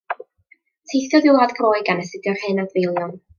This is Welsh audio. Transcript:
Teithiodd i Wlad Groeg gan astudio'r hen adfeilion.